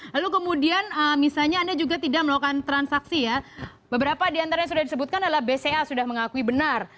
lalu kemudian misalnya anda juga tidak melakukan transaksi ya beberapa diantara yang sudah disebutkan adalah bca sudah mengakui benar